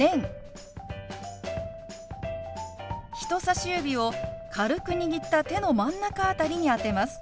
人さし指を軽く握った手の真ん中辺りに当てます。